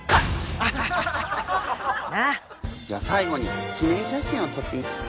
じゃあ最後に記念写真を撮っていいですか？